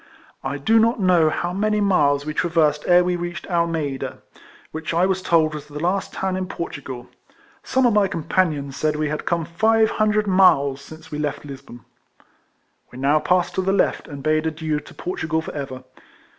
I do not know how many miles we traversed ere we reached Almeida, which I was told was the last town in Portugal : some of my companions said we had come five hundred miles since we left Lisbon. We now passed to the left, and bade adieu to Portugal for ever.